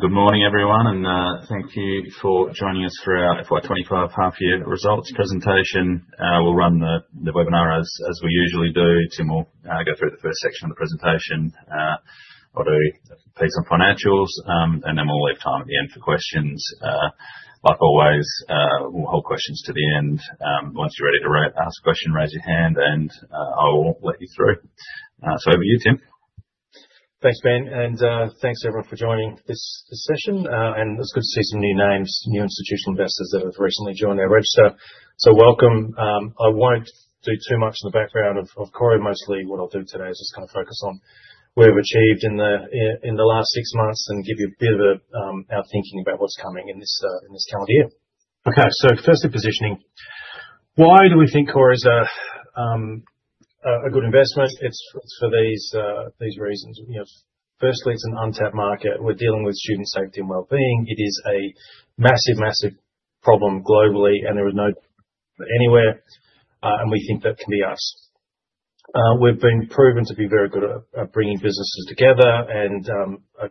Good morning, everyone, and thank you for joining us for our FY25 half-year results presentation. We'll run the webinar as we usually do. Tim will go through the first section of the presentation. I'll do a piece on financials, and then we'll leave time at the end for questions. Like always, we'll hold questions to the end. Once you're ready to ask a question, raise your hand, and I will let you through. So over to you, Tim. Thanks, Ben, and thanks everyone for joining this session, and it's good to see some new names, new institutional investors that have recently joined our register, so welcome. I won't do too much in the background of Qoria. Mostly, what I'll do today is just kind of focus on what we've achieved in the last six months and give you a bit of our thinking about what's coming in this calendar year. Okay, firstly, positioning. Why do we think Qoria is a good investment? It's for these reasons. Firstly, it's an untapped market. We're dealing with student safety and well-being. It is a massive, massive problem globally, and there is no one anywhere, and we think that can be us. We've been proven to be very good at bringing businesses together and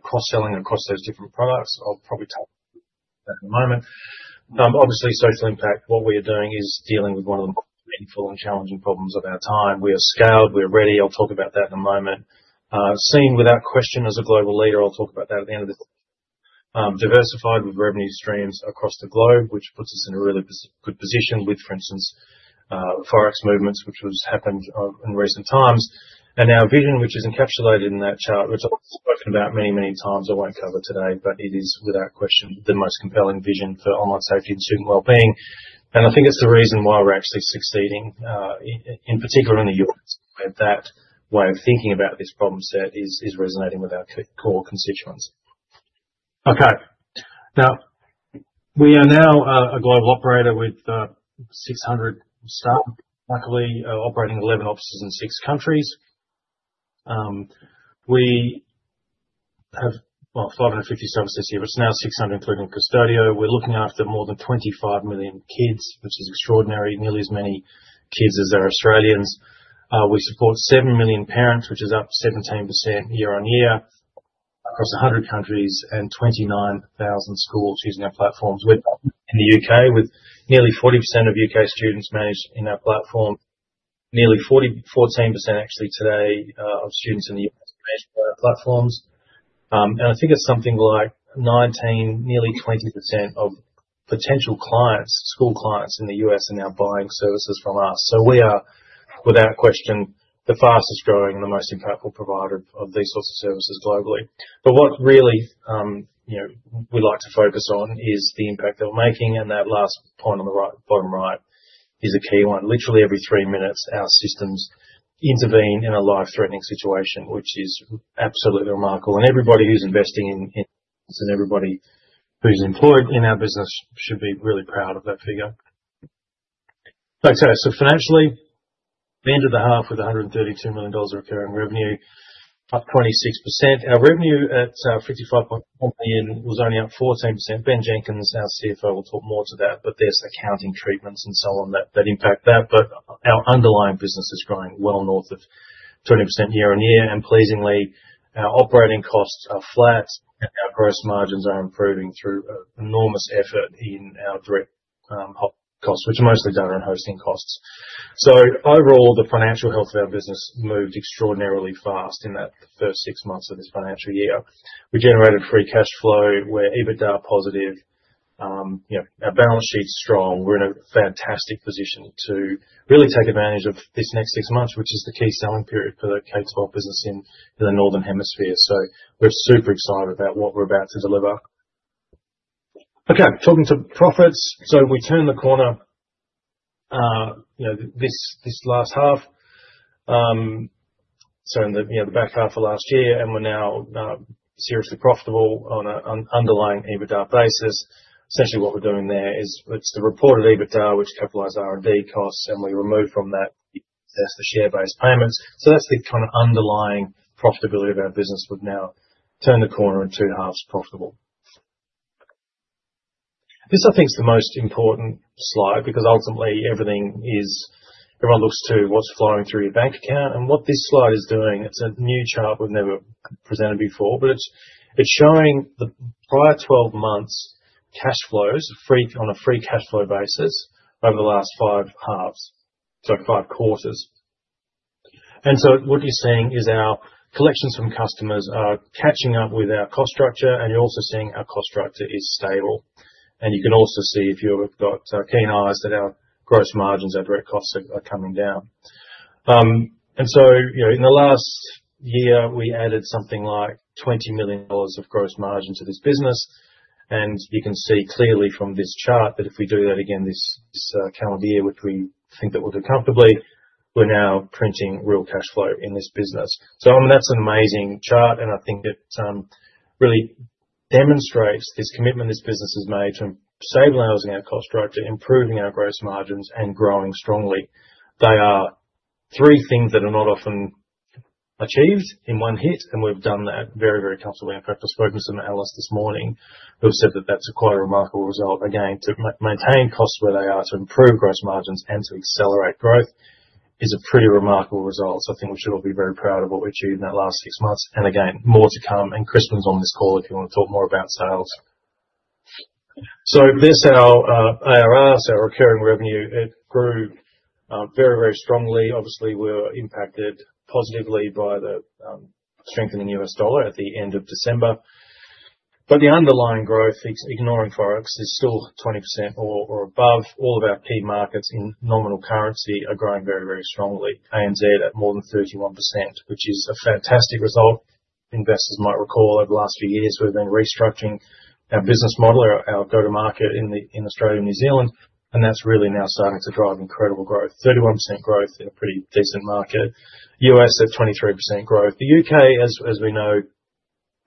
cross-selling across those different products. I'll probably touch on that in a moment. Obviously, social impact, what we are doing is dealing with one of the most meaningful and challenging problems of our time. We are scaled. We are ready. I'll talk about that in a moment. Seen without question as a global leader, I'll talk about that at the end of this session. Diversified with revenue streams across the globe, which puts us in a really good position with, for instance, Forex movements, which has happened in recent times. And our vision, which is encapsulated in that chart, which I've spoken about many, many times, I won't cover today, but it is without question the most compelling vision for online safety and student well-being. And I think it's the reason why we're actually succeeding, in particular in the U.S., where that way of thinking about this problem set is resonating with our core constituents. Okay, now we are a global operator with 600 staff, luckily, operating 11 offices in six countries. We have 550 staff here, but it's now 600, including Qustodio. We're looking after more than 25 million kids, which is extraordinary, nearly as many kids as there are Australians. We support seven million parents, which is up 17% year on year across 100 countries and 29,000 schools using our platforms. We're in the U.K. with nearly 40% of U.K. students managed in our platform, nearly 14% actually today of students in the U.S. managed by our platforms. And I think it's something like 19, nearly 20% of potential clients, school clients in the U.S. are now buying services from us. So we are, without question, the fastest growing and the most impactful provider of these sorts of services globally. But what really we'd like to focus on is the impact that we're making. And that last point on the bottom right is a key one. Literally every three minutes, our systems intervene in a life-threatening situation, which is absolutely remarkable. And everybody who's investing in us and everybody who's employed in our business should be really proud of that figure. Okay, so financially, we entered the half with 132 million dollars recurring revenue, up 26%. Our revenue at 55.1 million was only up 14%. Ben Jenkins, our CFO, will talk more to that, but there's accounting treatments and so on that impact that. But our underlying business is growing well north of 20% year on year. And pleasingly, our operating costs are flat, and our gross margins are improving through enormous effort in our direct costs, which are mostly done around hosting costs. So overall, the financial health of our business moved extraordinarily fast in the first six months of this financial year. We generated free cash flow. We're EBITDA positive. Our balance sheet's strong. We're in a fantastic position to really take advantage of this next six months, which is the key selling period for the K-12 business in the northern hemisphere. So we're super excited about what we're about to deliver. Okay, talking to profits. So we turned the corner this last half, so in the back half of last year, and we're now seriously profitable on an underlying EBITDA basis. Essentially, what we're doing there is it's the reported EBITDA, which capitalized R&D costs, and we removed from that the share-based payments. So that's the kind of underlying profitability of our business. We've now turned the corner and two halves profitable. This, I think, is the most important slide because ultimately everyone looks to what's flowing through your bank account. And what this slide is doing, it's a new chart we've never presented before, but it's showing the prior 12 months' cash flows on a free cash flow basis over the last five halves, so five quarters. And so what you're seeing is our collections from customers are catching up with our cost structure, and you're also seeing our cost structure is stable. And you can also see if you've got keen eyes that our gross margins, our direct costs, are coming down. And so in the last year, we added something like 20 million dollars of gross margin to this business. And you can see clearly from this chart that if we do that again this calendar year, which we think that we'll do comfortably, we're now printing real cash flow in this business. So I mean, that's an amazing chart, and I think it really demonstrates this commitment this business has made to stabilizing our cost structure, improving our gross margins, and growing strongly. They are three things that are not often achieved in one hit, and we've done that very, very comfortably. In fact, I spoke with some analysts this morning who said that that's quite a remarkable result. Again, to maintain costs where they are, to improve gross margins, and to accelerate growth is a pretty remarkable result. So I think we should all be very proud of what we achieved in that last six months. And again, more to come. Crispin's on this call if you want to talk more about sales. This is our ARR, so our recurring revenue. It grew very, very strongly. Obviously, we were impacted positively by the strengthening U.S. dollar at the end of December. The underlying growth, ignoring Forex, is still 20% or above. All of our key markets in nominal currency are growing very, very strongly. ANZ at more than 31%, which is a fantastic result. Investors might recall over the last few years, we've been restructuring our business model, our go-to-market in Australia and New Zealand, and that's really now starting to drive incredible growth, 31% growth in a pretty decent market. U.S. at 23% growth. The U.K., as we know,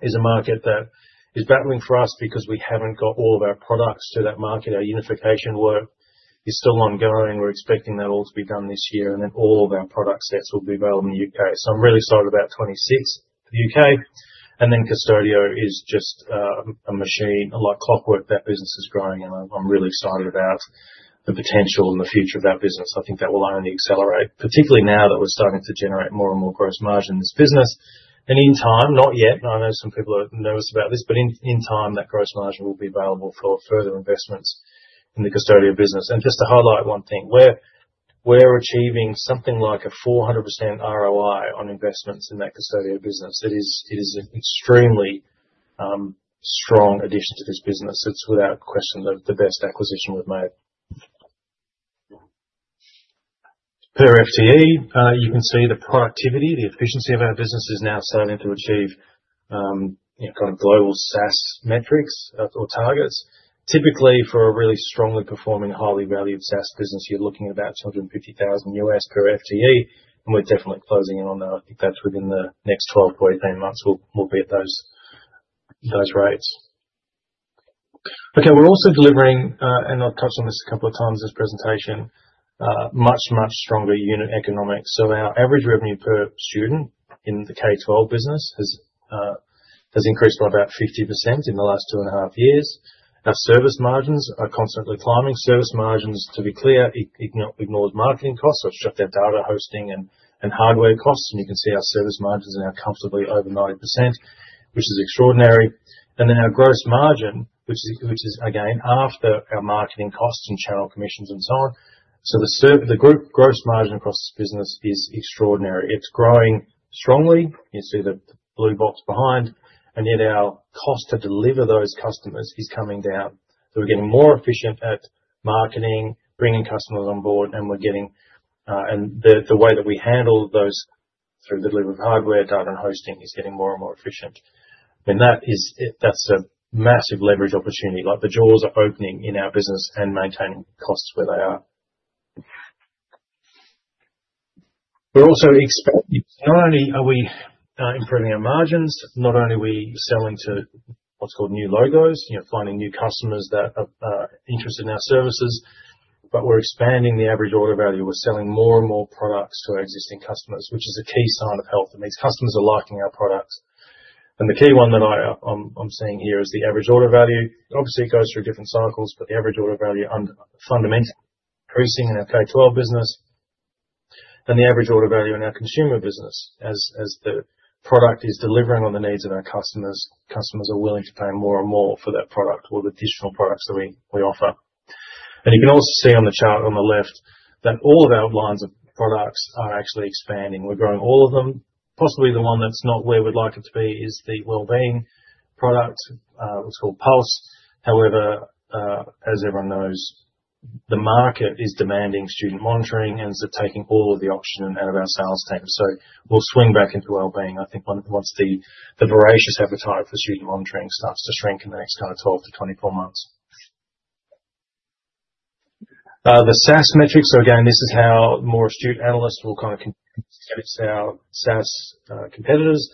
is a market that is battling for us because we haven't got all of our products to that market. Our unification work is still ongoing. We're expecting that all to be done this year, and then all of our product sets will be available in the U.K. So I'm really excited about 26% for the U.K. And then Qustodio is just a machine, like clockwork, that business is growing, and I'm really excited about the potential and the future of that business. I think that will only accelerate, particularly now that we're starting to generate more and more gross margin in this business. And in time, not yet, I know some people are nervous about this, but in time, that gross margin will be available for further investments in the Qustodio business. And just to highlight one thing, we're achieving something like a 400% ROI on investments in that Qustodio business. It is an extremely strong addition to this business. It's without question the best acquisition we've made. Per FTE, you can see the productivity, the efficiency of our business is now starting to achieve kind of global SaaS metrics or targets. Typically, for a really strongly performing, highly valued SaaS business, you're looking at about $250,000 per FTE, and we're definitely closing in on that. I think that's within the next 12-18 months we'll be at those rates. Okay, we're also delivering, and I've touched on this a couple of times in this presentation, much, much stronger unit economics. So our average revenue per student in the K-12 business has increased by about 50% in the last two and a half years. Our service margins are constantly climbing. Service margins, to be clear, ignores marketing costs. I've just got that data hosting and hardware costs, and you can see our service margins are now comfortably over 90%, which is extraordinary. And then our gross margin, which is again after our marketing costs and channel commissions and so on. So the group gross margin across this business is extraordinary. It's growing strongly. You see the blue box behind. And yet our cost to deliver those customers is coming down. So we're getting more efficient at marketing, bringing customers on board, and the way that we handle those through the delivery of hardware, data, and hosting is getting more and more efficient. I mean, that's a massive leverage opportunity. The jaws are opening in our business and maintaining costs where they are. We're also expecting not only are we improving our margins, not only are we selling to what's called new logos, finding new customers that are interested in our services, but we're expanding the average order value. We're selling more and more products to our existing customers, which is a key sign of health. It means customers are liking our products, and the key one that I'm seeing here is the average order value. Obviously, it goes through different cycles, but the average order value is fundamentally increasing in our K-12 business and the average order value in our consumer business. As the product is delivering on the needs of our customers, customers are willing to pay more and more for that product or the additional products that we offer, and you can also see on the chart on the left that all of our lines of products are actually expanding. We're growing all of them. Possibly the one that's not where we'd like it to be is the well-being product, what's called Pulse. However, as everyone knows, the market is demanding student monitoring and is taking all of the oxygen out of our sales team. So we'll swing back into well-being. I think once the voracious appetite for student monitoring starts to shrink in the next kind of 12 to 24 months. The SaaS metrics, so again, this is how more astute analysts will kind of compare to our SaaS competitors,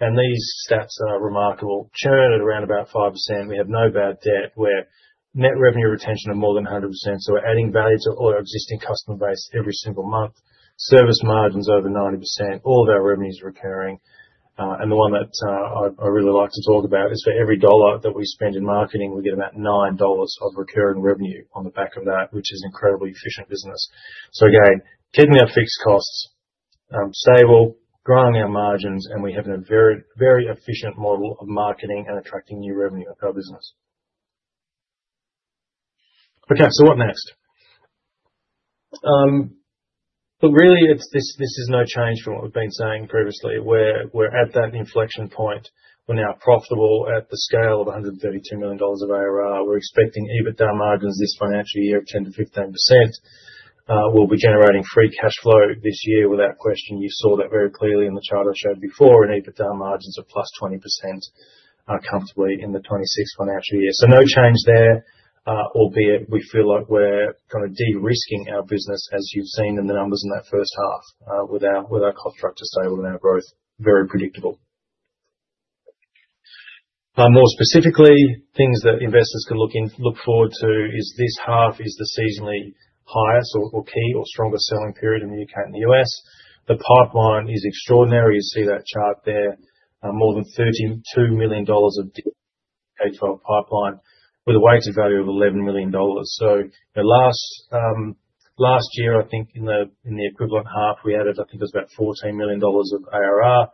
and these stats are remarkable. Churn at around about 5%. We have no bad debt. We're net revenue retention of more than 100%, so we're adding value to our existing customer base every single month. Service margins over 90%. All of our revenues are recurring, and the one that I really like to talk about is for every dollar that we spend in marketing, we get about 9 dollars of recurring revenue on the back of that, which is an incredibly efficient business. So again, keeping our fixed costs stable, growing our margins, and we have a very efficient model of marketing and attracting new revenue into our business. Okay, so what next? But really, this is no change from what we've been saying previously. We're at that inflection point. We're now profitable at the scale of 132 million dollars of ARR. We're expecting EBITDA margins this financial year of 10%-15%. We'll be generating free cash flow this year without question. You saw that very clearly in the chart I showed before. And EBITDA margins are +20% comfortably in the 26th financial year. So no change there, albeit we feel like we're kind of de-risking our business, as you've seen in the numbers in that first half, with our cost structure stable and our growth very predictable. More specifically, things that investors can look forward to is this half is the seasonally highest or key or strongest selling period in the U.K. and the U.S. The pipeline is extraordinary. You see that chart there. More than $32 million of K-12 pipeline with a weighted value of $11 million. So last year, I think in the equivalent half, we added, I think it was about $14 million of ARR.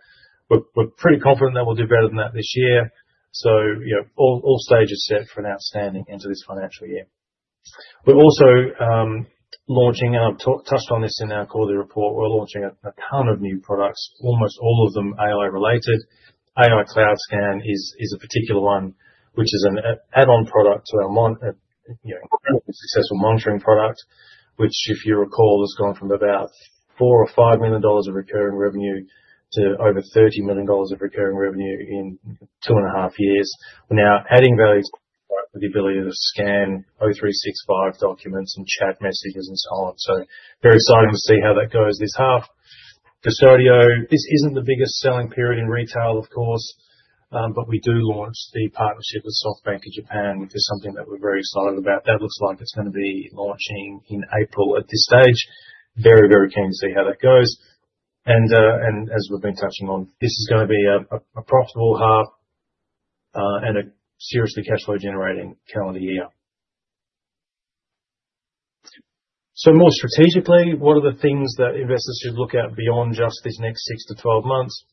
We're pretty confident that we'll do better than that this year. So the stage is set for an outstanding end to this financial year. We're also launching, and I've touched on this in our quarterly report, we're launching a ton of new products, almost all of them AI-related. AI Cloud Scan is a particular one, which is an add-on product to our successful monitoring product, which, if you recall, has gone from about 4 million or 5 million dollars of recurring revenue to over 30 million dollars of recurring revenue in two and a half years. We're now adding value to the product with the ability to scan O365 documents and chat messages and so on, so very exciting to see how that goes this half. Qustodio, this isn't the biggest selling period in retail, of course, but we do launch the partnership with SoftBank of Japan, which is something that we're very excited about. That looks like it's going to be launching in April at this stage, very, very keen to see how that goes, and as we've been touching on, this is going to be a profitable half and a seriously cash flow-generating calendar year. More strategically, what are the things that investors should look at beyond just these next 6 to 12 months?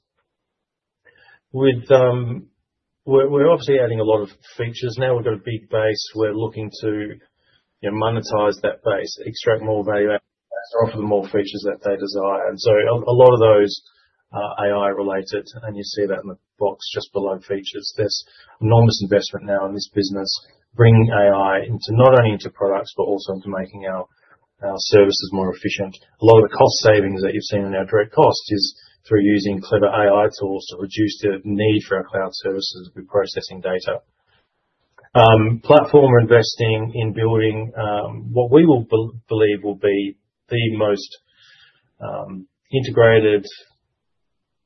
We're obviously adding a lot of features now. We've got a big base. We're looking to monetize that base, extract more value, and offer them more features that they desire. A lot of those are AI-related, and you see that in the box just below features. There's enormous investment now in this business, bringing AI not only into products but also into making our services more efficient. A lot of the cost savings that you've seen in our direct cost is through using clever AI tools to reduce the need for our cloud services to be processing data. Platform investing in building what we believe will be the most integrated,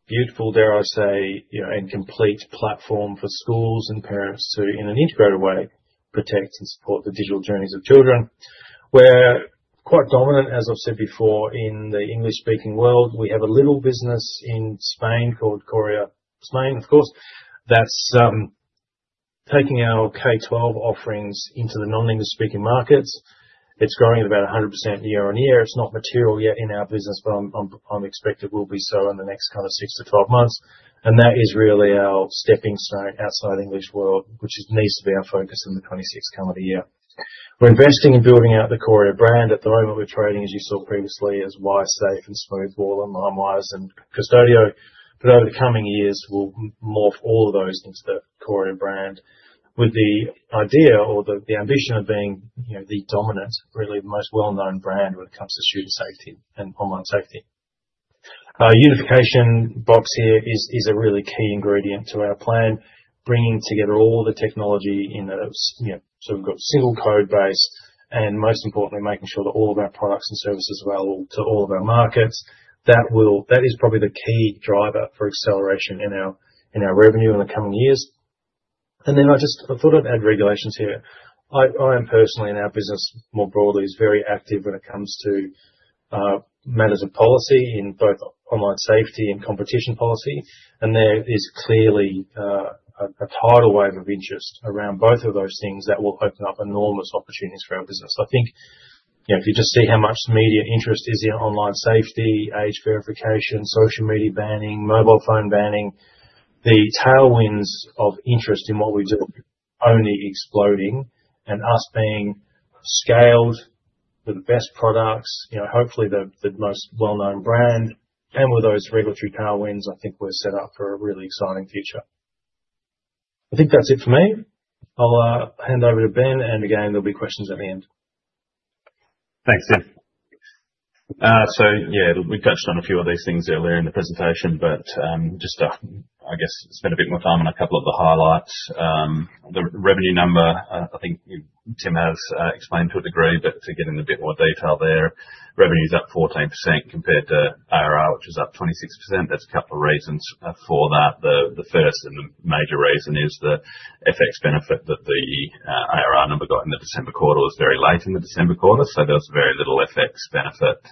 beautiful, dare I say, and complete platform for schools and parents to, in an integrated way, protect and support the digital journeys of children. We're quite dominant, as I've said before, in the English-speaking world. We have a little business in Spain called Qoria Spain, of course, that's taking our K-12 offerings into the non-English-speaking markets. It's growing at about 100% year on year. It's not material yet in our business, but I'm expecting it will be so in the next kind of 6-12 months, and that is really our stepping stone outside the English world, which needs to be our focus in the 2026 calendar year. We're investing in building out the Qoria brand. At the moment, we're trading, as you saw previously, as ySafe and Smoothwall and Linewise and Qustodio, but over the coming years, we'll morph all of those into the Qoria brand with the idea or the ambition of being the dominant, really the most well-known brand when it comes to student safety and online safety. Unification box here is a really key ingredient to our plan, bringing together all the technology in a sort of single code base and, most importantly, making sure that all of our products and services are available to all of our markets. That is probably the key driver for acceleration in our revenue in the coming years. And then I thought I'd add regulations here. I am personally, and our business more broadly, is very active when it comes to matters of policy in both online safety and competition policy. There is clearly a tidal wave of interest around both of those things that will open up enormous opportunities for our business. I think if you just see how much media interest is in online safety, age verification, social media banning, mobile phone banning, the tailwinds of interest in what we do are only exploding, and us being scaled with the best products, hopefully the most well-known brand, and with those regulatory tailwinds, I think we're set up for a really exciting future. I think that's it for me. I'll hand over to Ben, and again, there'll be questions at the end. Thanks, Tim. Yeah, we've touched on a few of these things earlier in the presentation, but just, I guess, spend a bit more time on a couple of the highlights. The revenue number, I think Tim has explained to a degree, but to get into a bit more detail there, revenue is up 14% compared to ARR, which is up 26%. There's a couple of reasons for that. The first and the major reason is the FX benefit that the ARR number got in the December quarter was very late in the December quarter. So there was very little FX benefit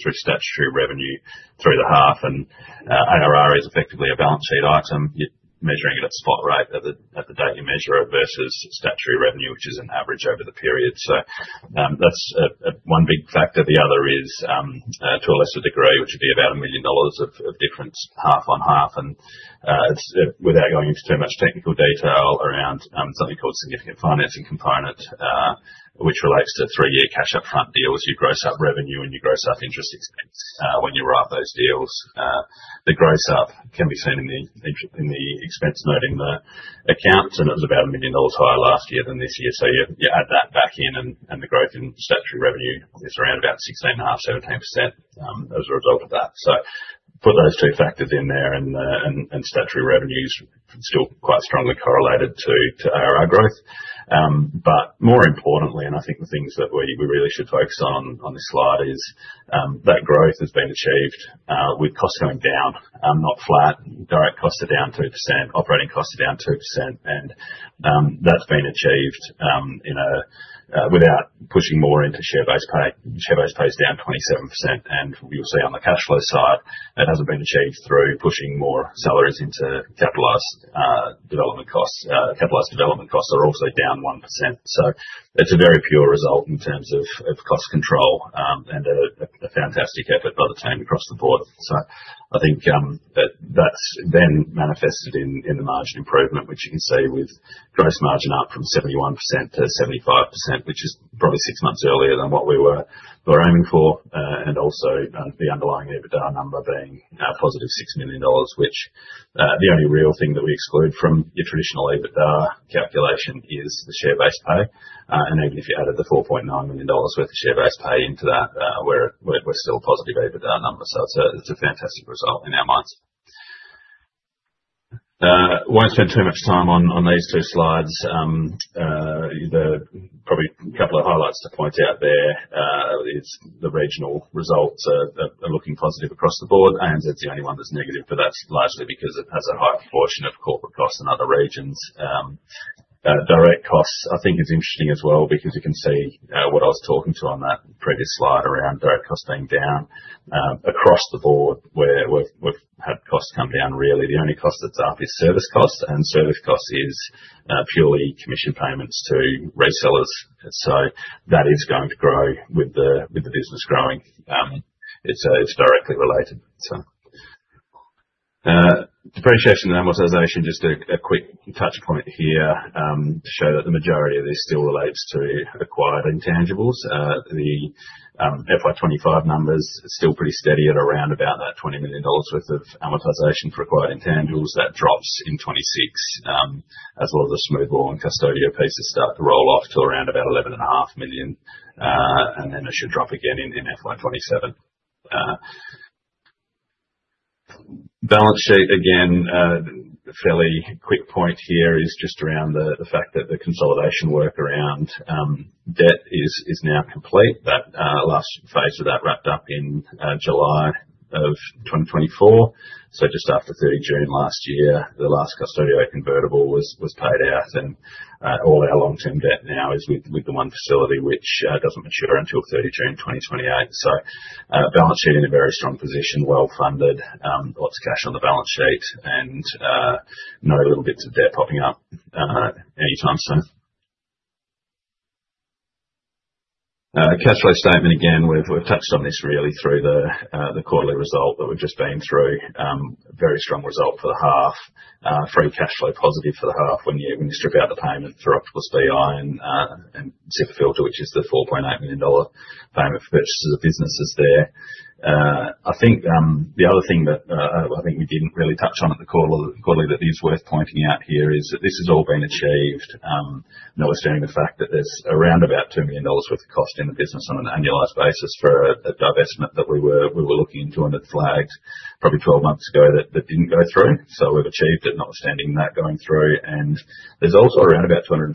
through statutory revenue through the half. And ARR is effectively a balance sheet item, measuring it at spot rate at the date you measure it versus statutory revenue, which is an average over the period. So that's one big factor. The other is, to a lesser degree, which would be about 1 million dollars of difference half on half. Without going into too much technical detail around something called significant financing component, which relates to three-year cash upfront deals, you gross up revenue and you gross up interest expense when you write those deals. The gross up can be seen in the expense noting the accounts, and it was about 1 million dollars higher last year than this year. So you add that back in, and the growth in statutory revenue is around about 16.5%-17% as a result of that. So put those two factors in there, and statutory revenue is still quite strongly correlated to ARR growth. But more importantly, and I think the things that we really should focus on on this slide is that growth has been achieved with costs going down, not flat. Direct costs are down 2%, operating costs are down 2%, and that's been achieved without pushing more into share-based pay. Share-based pay is down 27%, and you'll see on the cash flow side, it hasn't been achieved through pushing more salaries into capitalized development costs. Capitalized development costs are also down 1%. So it's a very pure result in terms of cost control and a fantastic effort by the team across the board. So I think that's then manifested in the margin improvement, which you can see with gross margin up from 71%-75%, which is probably six months earlier than what we were aiming for. And also the underlying EBITDA number being a positive 6 million dollars, which the only real thing that we exclude from your traditional EBITDA calculation is the share-based pay. And even if you added the 4.9 million dollars worth of share-based pay into that, we're still a positive EBITDA number. So it's a fantastic result in our minds. Won't spend too much time on these two slides. Probably a couple of highlights to point out. The regional results are looking positive across the board. ANZ's the only one that's negative, but that's largely because it has a high proportion of corporate costs in other regions. Direct costs, I think, is interesting as well because you can see what I was talking to on that previous slide around direct costs being down across the board where we've had costs come down. Really, the only cost that's up is service costs, and service costs is purely commission payments to resellers. So that is going to grow with the business growing. It's directly related. So depreciation and amortization, just a quick touch point here to show that the majority of this still relates to acquired intangibles. The FY25 numbers are still pretty steady at around about that 20 million dollars worth of amortization for acquired intangibles. That drops in 2026, as well as the Smoothwall and Qustodio pieces start to roll off to around about 11.5 million, and then it should drop again in FY27. Balance sheet, again, a fairly quick point here is just around the fact that the consolidation work around debt is now complete. That last phase of that wrapped up in July of 2024. So just after 30 June last year, the last Qustodio convertible was paid out, and all our long-term debt now is with the one facility which doesn't mature until 30 June 2028. So balance sheet in a very strong position, well funded, lots of cash on the balance sheet, and no little bits of debt popping up anytime soon. Cash flow statement, again, we've touched on this really through the quarterly result that we've just been through. Very strong result for the half, free cash flow positive for the half when you strip out the payment through OctopusBI and Cipafilter, which is the 4.8 million dollar payment for purchases of businesses there. I think the other thing that I think we didn't really touch on at the quarterly that is worth pointing out here is that this has all been achieved, notwithstanding the fact that there's around about 2 million dollars worth of cost in the business on an annualized basis for a divestment that we were looking into and had flagged probably 12 months ago that didn't go through. We've achieved it, notwithstanding that going through. There's also around about 250,000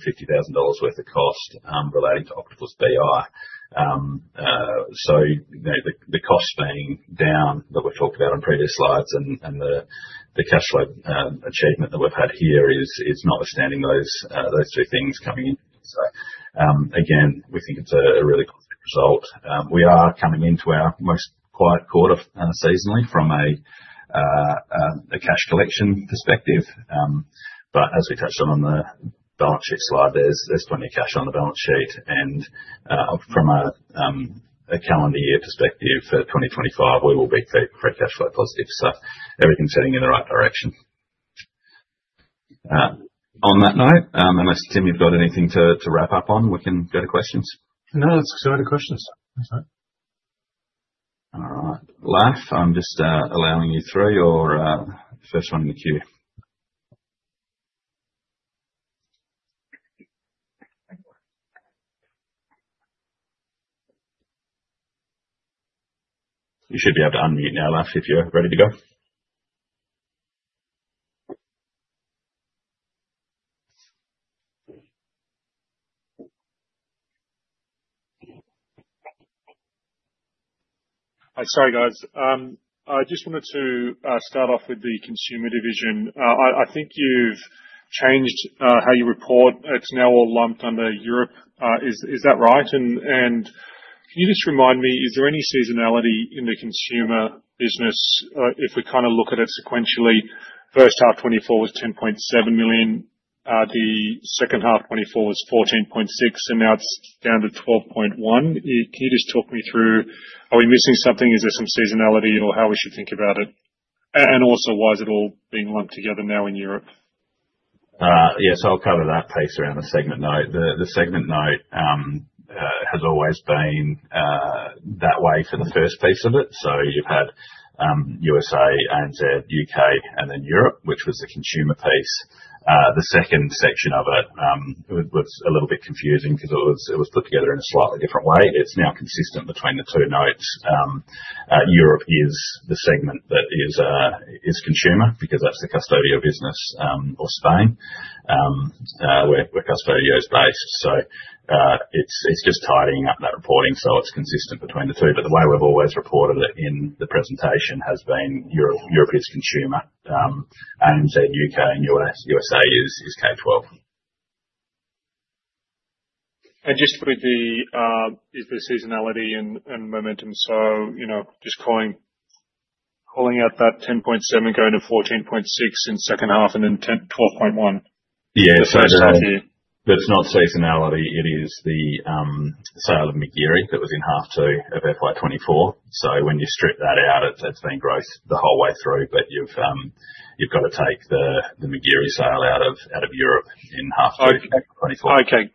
dollars worth of cost relating to OctopusBI. So the costs being down that we've talked about on previous slides and the cash flow achievement that we've had here is notwithstanding those two things coming in. So again, we think it's a really positive result. We are coming into our most quiet quarter seasonally from a cash collection perspective. But as we touched on on the balance sheet slide, there's plenty of cash on the balance sheet. And from a calendar year perspective for 2025, we will be free cash flow positive. So everything's heading in the right direction. On that note, unless Tim, you've got anything to wrap up on, we can go to questions. No, lets start with questions. All right. Lafitani. I'm just allowing you through. You're the first one in the queue. You should be able to unmute now, Lafitani, if you're ready to go. Hi, sorry, guys. I just wanted to start off with the consumer division. I think you've changed how you report. It's now all lumped under Europe. Is that right? And can you just remind me, is there any seasonality in the consumer business? If we kind of look at it sequentially, first half 2024 was 10.7 million. The second half 2024 was 14.6 million, and now it's down to 12.1 million. Can you just talk me through, are we missing something? Is there some seasonality or how we should think about it? And also, why is it all being lumped together now in Europe? Yes, I'll cover that piece around the segment note. The segment note has always been that way for the first piece of it. So you've had USA, ANZ, U.K., and then Europe, which was the consumer piece. The second section of it was a little bit confusing because it was put together in a slightly different way. It's now consistent between the two notes. Europe is the segment that is consumer because that's the Qustodio business or Spain, where Qustodio is based, so it's just tidying up that reporting so it's consistent between the two, but the way we've always reported it in the presentation has been Europe is consumer. ANZ, U.K., and USA is K-12. And just with the seasonality and momentum, so just calling out that 10.7 going to 14.6 in second half and then 12.1. Yeah, so that's not seasonality. It is the sale of Migiri that was in half two of FY24. So when you strip that out, it's been growth the whole way through, but you've got to take the Migiri sale out of Europe in half two of FY24. Okay.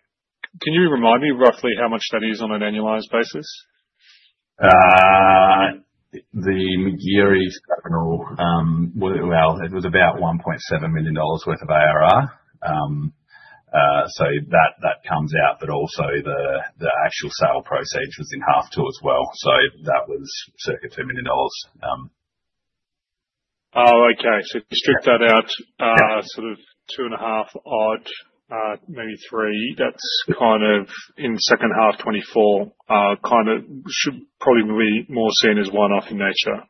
Can you remind me roughly how much that is on an annualized basis? The Migiri's capital, well, it was about 1.7 million dollars worth of ARR. So that comes out, but also the actual sale proceeds was in half two as well. So that was circa 2 million dollars. Oh, okay. So if you strip that out, sort of two and a half odd, maybe three, that's kind of in second half 2024, kind of should probably be more seen as one-off in nature.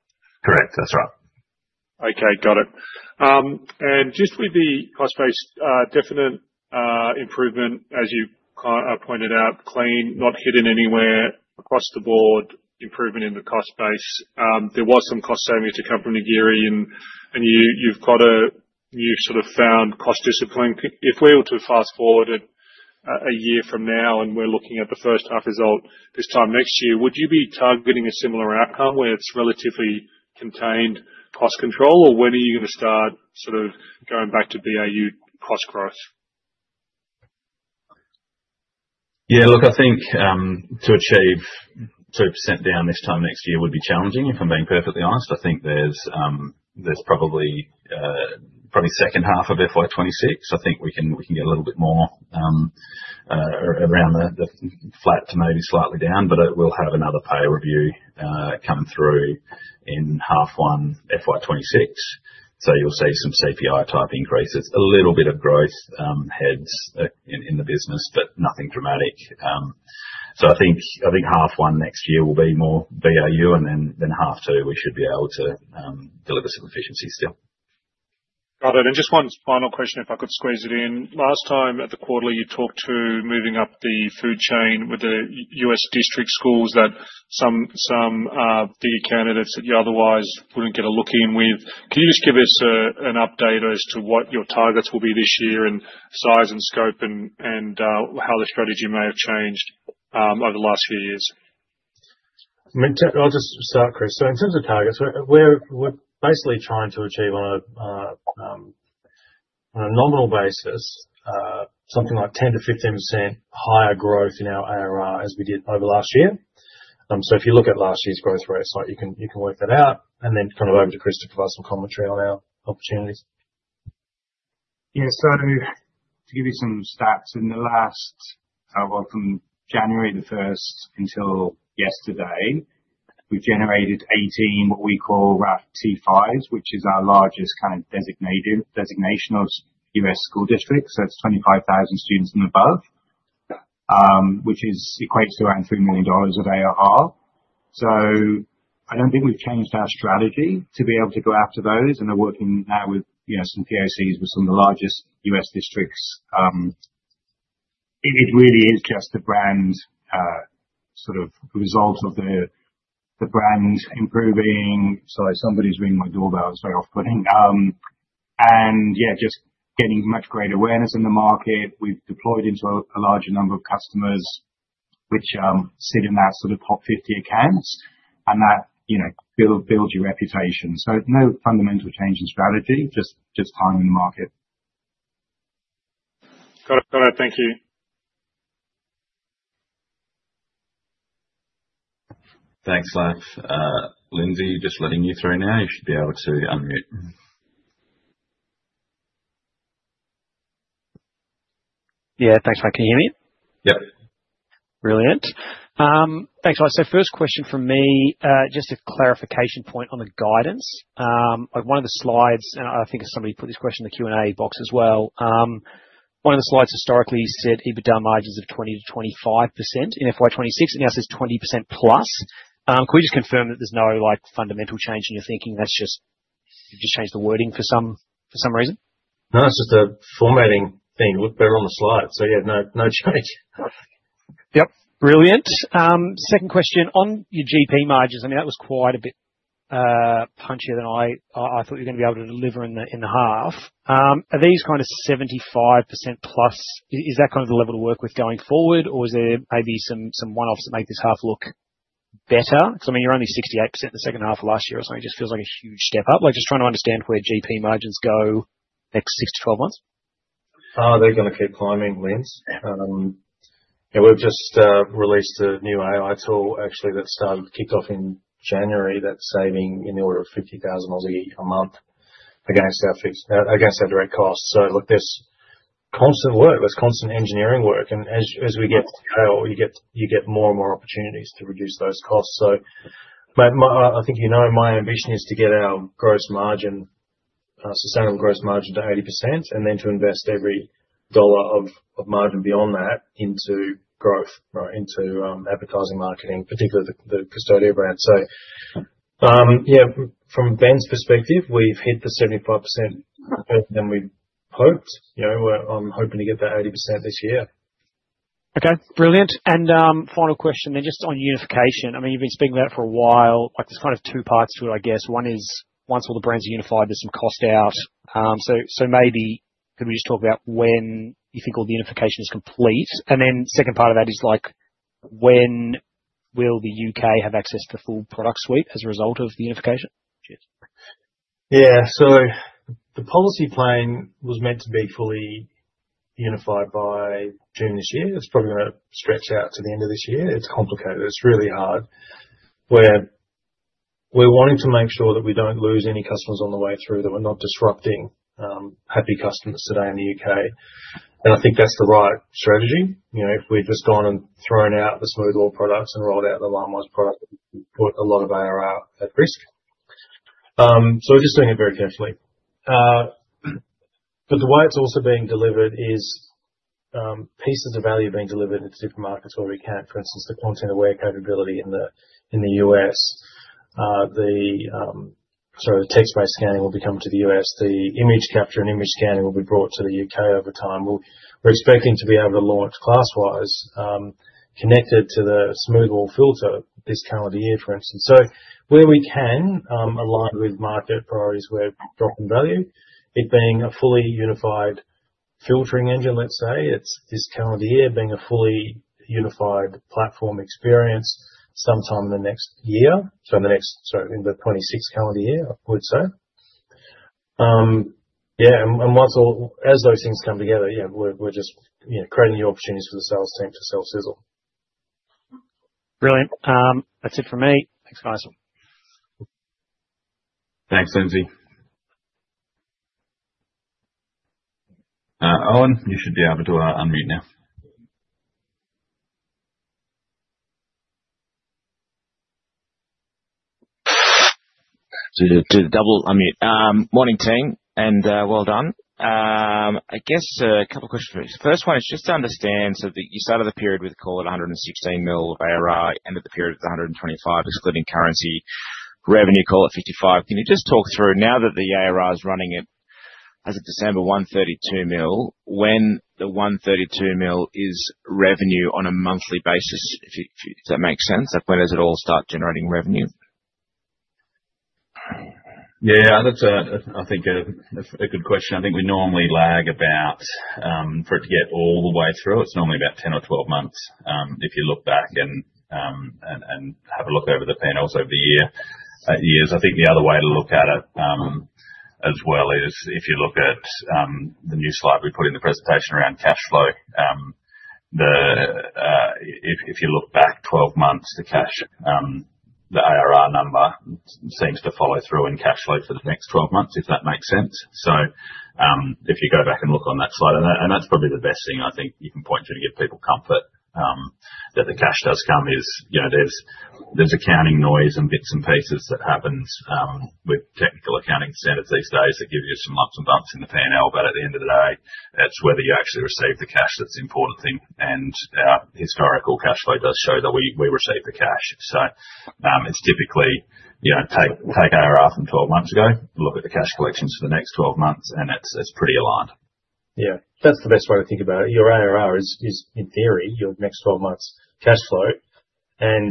Correct. That's right. Okay. Got it. And just with the cost-based definite improvement, as you pointed out, clean, not hidden anywhere across the board, improvement in the cost base. There was some cost savings to come from Migiri, and you've got a new sort of found cost discipline. If we were to fast forward a year from now and we're looking at the first half result this time next year, would you be targeting a similar outcome where it's relatively contained cost control, or when are you going to start sort of going back to BAU cost growth? Yeah, look, I think to achieve 2% down this time next year would be challenging, if I'm being perfectly honest. I think there's probably second half of FY26. I think we can get a little bit more around the flat to maybe slightly down, but we'll have another pay review coming through in half one FY26. So you'll see some CPI-type increases, a little bit of growth heads in the business, but nothing dramatic. So I think half one next year will be more BAU, and then half two, we should be able to deliver some efficiency still. Got it. Just one final question, if I could squeeze it in. Last time at the quarter, you talked about moving up the food chain with the U.S. district schools that some of the candidates that you otherwise wouldn't get a look in with. Can you just give us an update as to what your targets will be this year and size and scope and how the strategy may have changed over the last few years? I'll just start, Chris. So in terms of targets, we're basically trying to achieve on a nominal basis something like 10%-15% higher growth in our ARR as we did over last year. So if you look at last year's growth rate, you can work that out. And then kind of over to Chris to give us some commentary on our opportunities. Yeah. To give you some stats, in the last, well, from January the 1st until yesterday, we've generated 18 what we call RFT T5s, which is our largest kind of designation of U.S. school districts. It's 25,000 students and above, which equates to around $3 million a day or half. I don't think we've changed our strategy to be able to go after those. They're working now with some POCs with some of the largest U.S. districts. It really is just the brand sort of result of the brand improving. Sorry, somebody's ringing my doorbell. It's very off-putting. Yeah, just getting much greater awareness in the market. We've deployed into a larger number of customers which sit in that sort of top 50 accounts, and that builds your reputation. No fundamental change in strategy, just time in the market. Got it. Got it. Thank you. Thanks, Lafitani. Lindsay, just letting you through now. You should be able to unmute. Yeah. Thanks, Ben. Can you hear me? Yep. Brilliant. Thanks, guys. So first question from me, just a clarification point on the guidance. One of the slides, and I think somebody put this question in the Q&A box as well. One of the slides historically said EBITDA margins of 20%-25% in FY26. It now says 20%+. Could we just confirm that there's no fundamental change in your thinking? You've just changed the wording for some reason? No, it's just a formatting thing. It looked better on the slide. So yeah, no change. Yep. Brilliant. Second question. On your GP margins, I mean, that was quite a bit punchier than I thought you're going to be able to deliver in the half. Are these kind of 75%+? Is that kind of the level to work with going forward, or is there maybe some one-offs that make this half look better? Because I mean, you're only 68% the second half of last year or something. It just feels like a huge step up. Just trying to understand where GP margins go next 6-12 months. They're going to keep climbing, Linds. We've just released a new AI tool, actually, that kicked off in January that's saving in the order of $50,000 a month against our direct costs. So look, there's constant work. There's constant engineering work. And as we get scale, you get more and more opportunities to reduce those costs. So, I think you know my ambition is to get our gross margin, sustainable gross margin to 80%, and then to invest every dollar of margin beyond that into growth, into advertising, marketing, particularly the Qustodio brand. So yeah, from Ben's perspective, we've hit the 75% better than we hoped. I'm hoping to get that 80% this year. Okay. Brilliant. And final question then, just on unification. I mean, you've been speaking about it for a while. There's kind of two parts to it, I guess. One is once all the brands are unified, there's some cost out. So maybe could we just talk about when you think all the unification is complete? And then second part of that is when will the U.K. have access to the full product suite as a result of the unification? Yeah. So the policy plan was meant to be fully unified by June this year. It's probably going to stretch out to the end of this year. It's complicated. It's really hard. We're wanting to make sure that we don't lose any customers on the way through, that we're not disrupting happy customers today in the U.K. And I think that's the right strategy. If we've just gone and thrown out the Smoothwall products and rolled out the Linewise product, we've put a lot of ARR at risk. So we're just doing it very carefully. But the way it's also being delivered is pieces of value being delivered into different markets where we can. For instance, the content-aware capability in the US, sorry, the text-based scanning will be coming to the U.S. The image capture and image scanning will be brought to the U.K. over time. We're expecting to be able to launch Classwize connected to the Smoothwall filter this calendar year, for instance. So where we can, aligned with market priorities where drop in value, it being a fully unified filtering engine, let's say, this calendar year being a fully unified platform experience sometime in the next year. So in the next, sorry, in the 2026 calendar year, I would say. Yeah. And as those things come together, yeah, we're just creating new opportunities for the sales team to sell sizzle. Brilliant. That's it for me. Thanks, guys. Thanks, Lindsay. Owen, you should be able to unmute now. Do the double unmute. Morning, Tim, and well done. I guess a couple of questions for you. First one is just to understand so that you started the period with a call at 116 million of ARR, ended the period at 125, excluding currency, revenue call at 55. Can you just talk through now that the ARR is running at, as of December, 132 million, when the 132 million is revenue on a monthly basis, if that makes sense? When does it all start generating revenue? Yeah. That's, I think, a good question. I think we normally lag about for it to get all the way through. It's normally about 10 or 12 months if you look back and have a look over the panels over the years. I think the other way to look at it as well is if you look at the new slide we put in the presentation around cash flow. If you look back 12 months, the cash, the ARR number seems to follow through in cash flow for the next 12 months, if that makes sense. So if you go back and look on that slide, and that's probably the best thing I think you can point to to give people comfort that the cash does come. It's that there's accounting noise and bits and pieces that happens with technical accounting standards these days that give you some lumps and bumps in the P&L. But at the end of the day, that's whether you actually receive the cash. That's important thing. And our historical cash flow does show that we receive the cash. So it's typically take ARR from 12 months ago, look at the cash collections for the next 12 months, and it's pretty aligned. Yeah. That's the best way to think about it. Your ARR is, in theory, your next 12 months cash flow. And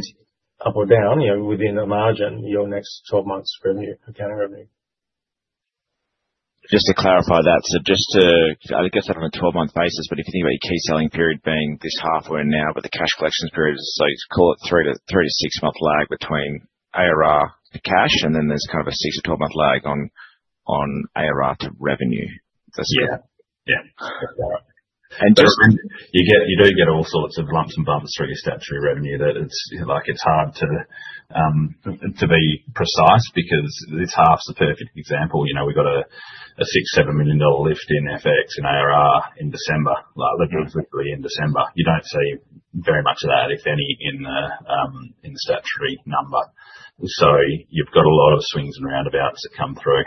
up or down, within a margin, your next 12 months' revenue, accounting revenue. Just to clarify that, so just to, I guess, on a 12-month basis, but if you think about your key selling period being this halfway now with the cash collections period, so call it three- to six-month lag between ARR to cash, and then there's kind of a six- to twelve-month lag on ARR to revenue. That's it. Yeah. Yeah. And you do get all sorts of lumps and bumps through your statutory revenue. It's hard to be precise because this half's a perfect example. We've got a 6-7 million dollar lift in FX and ARR in December, literally in December. You don't see very much of that, if any, in the statutory number. So you've got a lot of swings and roundabouts that come through.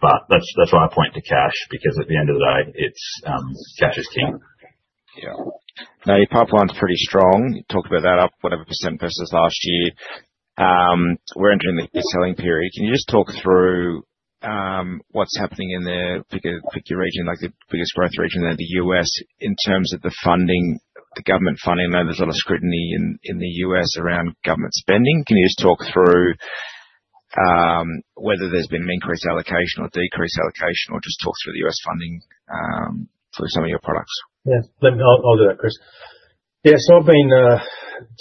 But that's why I point to cash because at the end of the day, cash is king. Yeah. Now, your pipeline's pretty strong. You talked about that up whatever percent versus last year. We're entering the selling period. Can you just talk through what's happening in the bigger region, the biggest growth region in the U.S., in terms of the funding, the government funding? I know there's a lot of scrutiny in the U.S. around government spending. Can you just talk through whether there's been an increased allocation or decreased allocation, or just talk through the U.S. funding for some of your products? Yeah. I'll do that, Chris. Yeah. I've been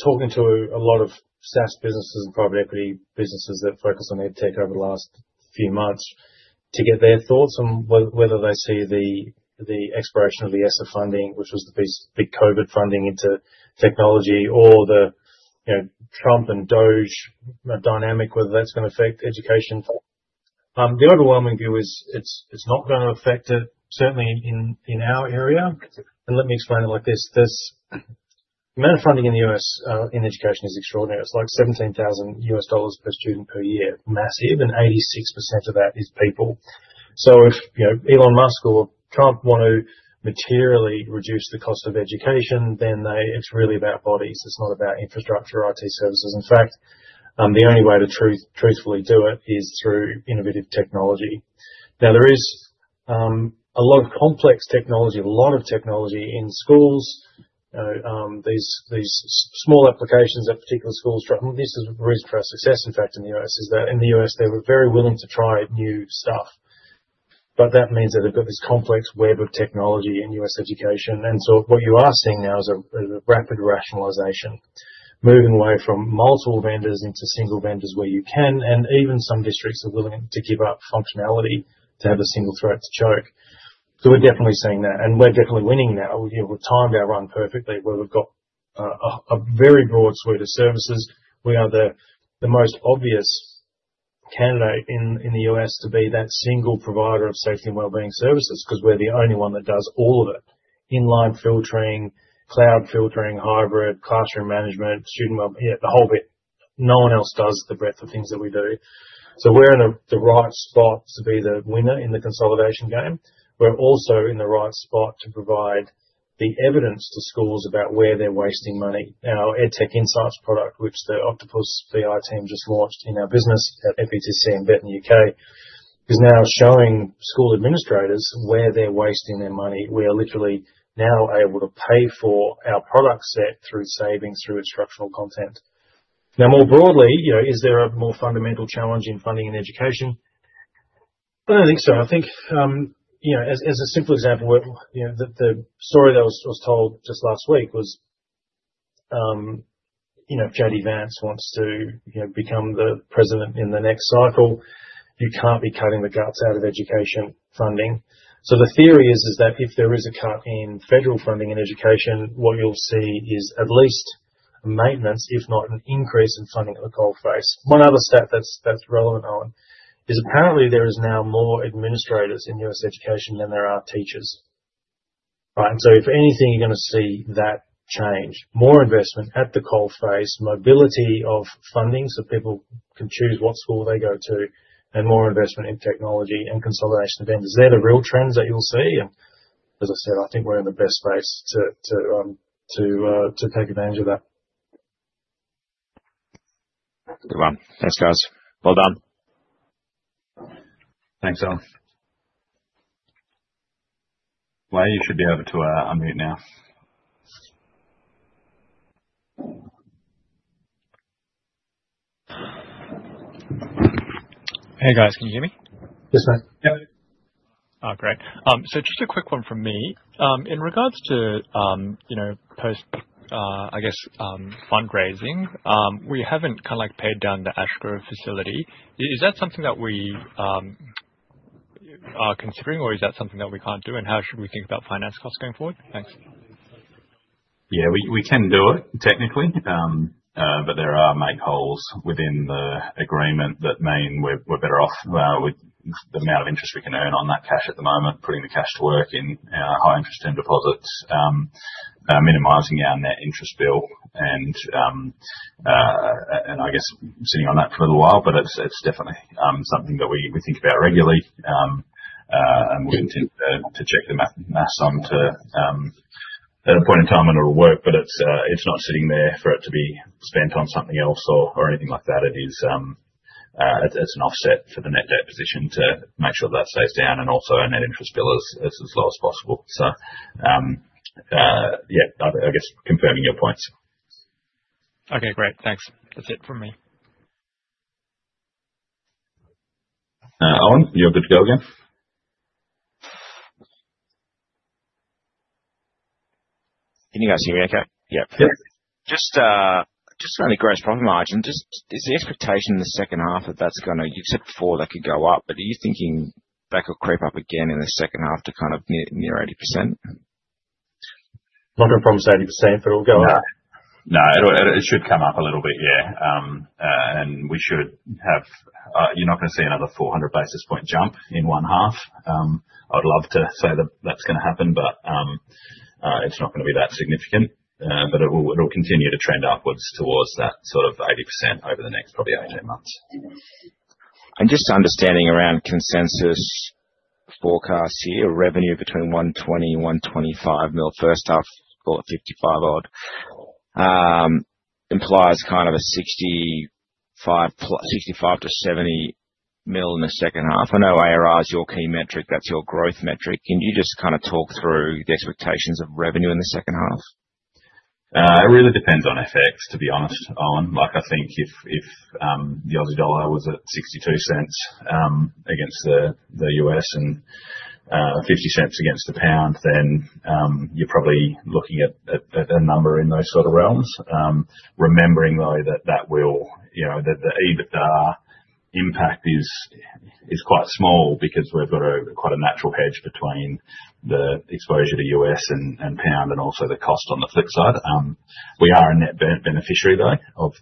talking to a lot of SaaS businesses and private equity businesses that focus on EdTech over the last few months to get their thoughts on whether they see the expiration of the ESSER funding, which was the big COVID funding into technology, or the Trump and DOGE dynamic, whether that's going to affect education. The overwhelming view is it's not going to affect it, certainly in our area. And let me explain it like this. The amount of funding in the U.S. in education is extraordinary. It's like $17,000 per student per year, massive. And 86% of that is people. So if Elon Musk or Trump want to materially reduce the cost of education, then it's really about bodies. It's not about infrastructure, IT services. In fact, the only way to truthfully do it is through innovative technology. Now, there is a lot of complex technology, a lot of technology in schools. These small applications at particular schools, this is the reason for our success, in fact, in the US, is that in the U.S., they were very willing to try new stuff. But that means that they've got this complex web of technology in U.S. education. And so what you are seeing now is a rapid rationalization, moving away from multiple vendors into single vendors where you can. And even some districts are willing to give up functionality to have a single throat to choke. So we're definitely seeing that. And we're definitely winning now. We've timed our run perfectly where we've got a very broad suite of services. We are the most obvious candidate in the U.S. to be that single provider of safety and wellbeing services because we're the only one that does all of it: inline filtering, cloud filtering, hybrid, classroom management, student wellbeing, the whole bit. No one else does the breadth of things that we do. So we're in the right spot to be the winner in the consolidation game. We're also in the right spot to provide the evidence to schools about where they're wasting money. Our EdTech Insights product, which the OctopusBI team just launched in our business at FETC and Bett U.K., is now showing school administrators where they're wasting their money. We are literally now able to pay for our product set through savings, through instructional content. Now, more broadly, is there a more fundamental challenge in funding and education? I don't think so. I think, as a simple example, the story that was told just last week was if JD Vance wants to become the president in the next cycle, you can't be cutting the guts out of education funding, so the theory is that if there is a cut in federal funding in education, what you'll see is at least maintenance, if not an increase in funding at the coalface. One other stat that's relevant, Owen, is apparently there is now more administrators in U.S. education than there are teachers. Right, and so if anything, you're going to see that change: more investment at the coalface, mobility of funding so people can choose what school they go to, and more investment in technology and consolidation of vendors. They're the real trends that you'll see, and as I said, I think we're in the best space to take advantage of that. Good one. Thanks, guys. Well done. Thanks, Owen. Wei, you should be able to unmute now. Hey, guys. Can you hear me? Yes, man. Oh, great. So just a quick one from me. In regards to post, I guess, fundraising, we haven't kind of paid down the Ashgrove facility. Is that something that we are considering, or is that something that we can't do? And how should we think about finance costs going forward? Thanks. Yeah. We can do it technically, but there are make-whole provisions within the agreement that mean we're better off with the amount of interest we can earn on that cash at the moment, putting the cash to work in our high-interest term deposits, minimizing our net interest bill. I guess sitting on that for a little while, but it's definitely something that we think about regularly. We intend to check the math on it at a point in time when it'll work, but it's not sitting there for it to be spent on something else or anything like that. It's an offset for the net debt position to make sure that stays down and also our net interest bill is as low as possible. So yeah, I guess confirming your points. Okay. Great. Thanks. That's it from me. Owen, you're good to go again. Can you guys hear me okay? Yep. Yep. Just around the gross profit margin, is the expectation in the second half that that's going to expand before that could go up? But are you thinking that could creep up again in the second half to kind of near 80%? Not going to promise 80%, but it'll go up. No. No. It should come up a little bit, yeah. You're not going to see another 400 basis points jump in one half. I would love to say that that's going to happen, but it's not going to be that significant. It'll continue to trend upwards towards that sort of 80% over the next probably 18 months. Just understanding around consensus forecast here, revenue between 120 million and 125 million, first half, call it 55 odd, implies kind of a 65 million to 70 million in the second half. I know ARR is your key metric. That's your growth metric. Can you just kind of talk through the expectations of revenue in the second half? It really depends on FX, to be honest, Owen. I think if the Aussie dollar was at 62 cents against the U.S. and 50 cents against the pound, then you're probably looking at a number in those sort of realms. Remembering, though, that that will, that the EBITDA impact is quite small because we've got quite a natural hedge between the exposure to U.S. and pound and also the cost on the flip side. We are a net beneficiary, though, of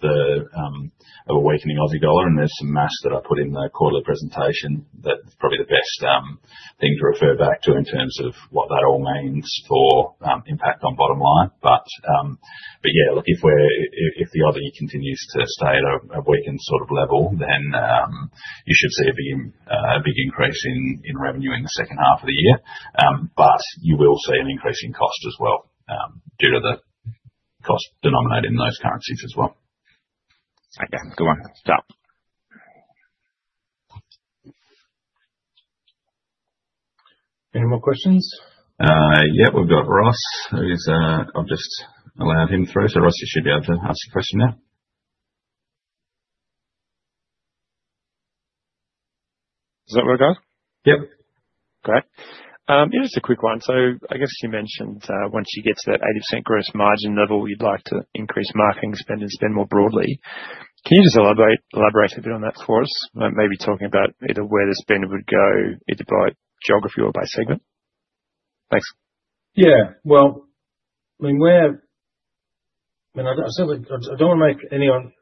weakening Aussie dollar. And there's some math that I put in the quarterly presentation that's probably the best thing to refer back to in terms of what that all means for impact on bottom line. But yeah, look, if the Aussie continues to stay at a weakened sort of level, then you should see a big increase in revenue in the second half of the year. But you will see an increase in cost as well due to the cost denominator in those currencies as well. Okay. Good one. Any more questions? Yep. We've got Ross. I've just allowed him through. Ross, you should be able to ask your question now. Is that where we go? Yep. Great. Just a quick one. So I guess you mentioned once you get to that 80% gross margin level, you'd like to increase marketing spend and spend more broadly. Can you just elaborate a bit on that for us? Maybe talking about either where the spend would go, either by geography or by segment. Thanks. Yeah. Well, I mean, I don't want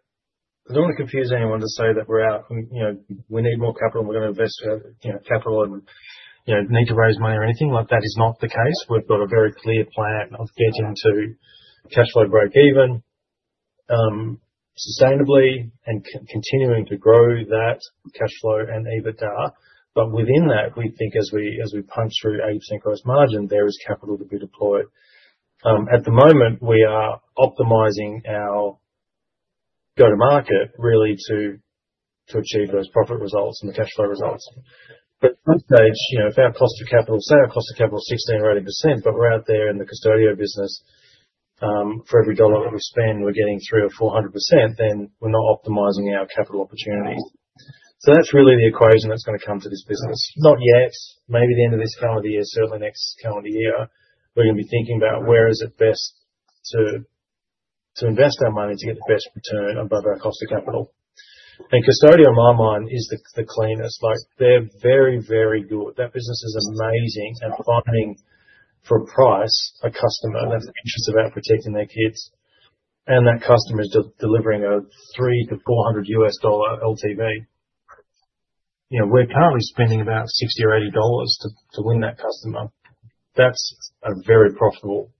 to confuse anyone to say that we're out, we need more capital, we're going to invest capital and need to raise money or anything. That is not the case. We've got a very clear plan of getting to cash flow break even sustainably and continuing to grow that cash flow and EBITDA. But within that, we think as we punch through 80% gross margin, there is capital to be deployed. At the moment, we are optimizing our go-to-market really to achieve those profit results and the cash flow results. But at some stage, if our cost of capital say our cost of capital is 16% or 18%, but we're out there in the Qustodio business, for every dollar that we spend, we're getting 300% or 400%, then we're not optimizing our capital opportunities. So that's really the equation that's going to come to this business. Not yet. Maybe the end of this calendar year, certainly next calendar year, we're going to be thinking about where is it best to invest our money to get the best return above our cost of capital. And Qustodio, in my mind, is the cleanest. They're very, very good. That business is amazing at finding for a price a customer that's interested about protecting their kids, and that customer is delivering a $300-$400 LTV. We're currently spending about $60 or $80 to win that customer. That's a very profitable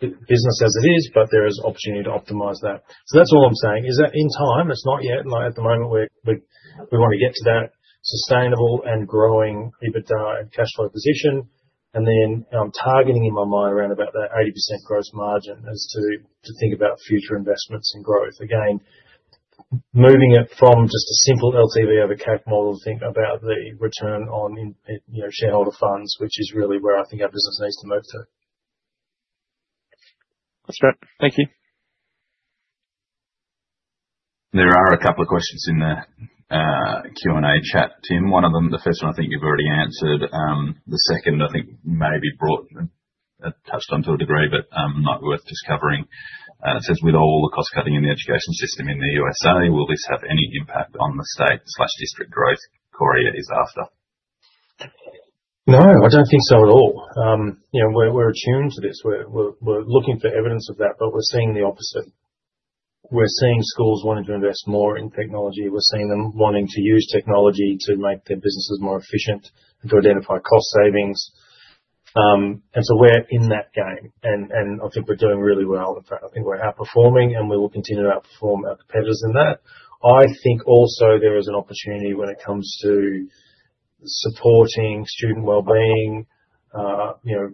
business as it is, but there is opportunity to optimize that. So that's all I'm saying. Is that in time? It's not yet. At the moment, we want to get to that sustainable and growing EBITDA and cash flow position, and then I'm targeting in my mind around about that 80% gross margin as to think about future investments and growth. Again, moving it from just a simple LTV over CAC model to think about the return on shareholder funds, which is really where I think our business needs to move to. That's great. Thank you. There are a couple of questions in the Q&A chat, Tim. One of them, the first one, I think you've already answered. The second, I think, maybe brought up, touched on to a degree, but not worth discovering. It says, "With all the cost-cutting in the education system in the USA, will this have any impact on the state/district growth?" Qoria is after. No, I don't think so at all. We're attuned to this. We're looking for evidence of that, but we're seeing the opposite. We're seeing schools wanting to invest more in technology. We're seeing them wanting to use technology to make their businesses more efficient, to identify cost savings. And so we're in that game. And I think we're doing really well. In fact, I think we're outperforming, and we will continue to outperform our competitors in that. I think also there is an opportunity when it comes to supporting student wellbeing, the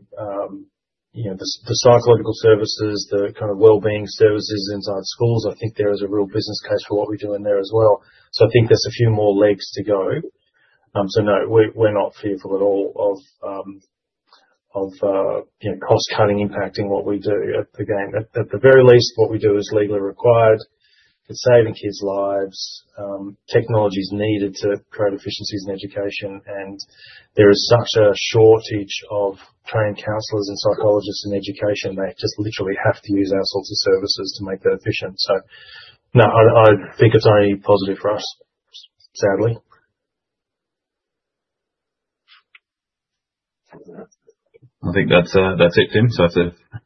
psychological services, the kind of wellbeing services inside schools. I think there is a real business case for what we do in there as well. So I think there's a few more legs to go. So no, we're not fearful at all of cost-cutting impacting what we do in the game. At the very least, what we do is legally required. It's saving kids' lives. Technology is needed to create efficiencies in education. And there is such a shortage of trained counselors and psychologists in education. They just literally have to use our sorts of services to make that efficient. So no, I think it's only positive for us, sadly. I think that's it, Tim. So if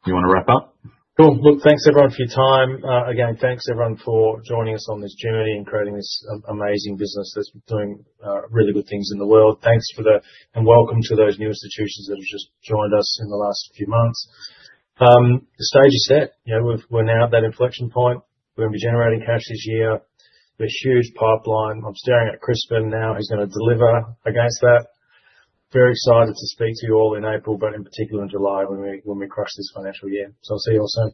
you want to wrap up. Cool. Well, thanks, everyone, for your time. Again, thanks, everyone, for joining us on this journey and creating this amazing business that's doing really good things in the world. Thanks for the, and welcome to those new institutions that have just joined us in the last few months. The stage is set. We're now at that inflection point. We're going to be generating cash this year. We're a huge pipeline. I'm staring at Crispin now. He's going to deliver against that. Very excited to speak to you all in April, but in particular in July when we crush this financial year, so I'll see you all soon.